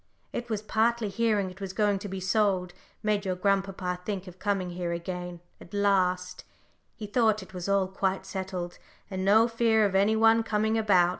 It was partly hearing it was going to be sold, made your grandpapa think of coming here again at last he thought it was all quite settled, and no fear of any one coming about.